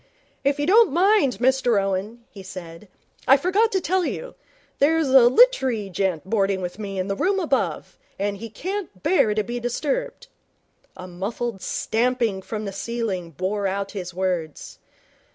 'If you don't mind, Mr Owen,' he said. 'I forgot to tell you. There's a lit'ery gent boarding with me in the room above, and he can't bear to be disturbed.' A muffled stamping from the ceiling bore out his words.